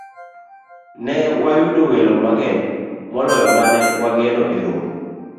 ne wayudo welo mang'eny moloyo ma ne wageno e romo